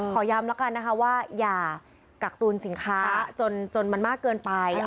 ย้ำแล้วกันนะคะว่าอย่ากักตุลสินค้าจนมันมากเกินไป